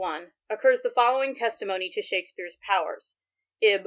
161), occurs the following testimony to Shakspere*s powers (i6.